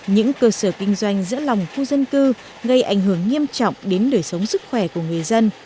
những cơ sở kinh doanh giữa lòng khu dân cư gây ảnh hưởng nghiêm trọng đến đời sống sức khỏe của người dân